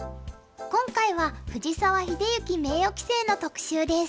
今回は藤沢秀行名誉棋聖の特集です。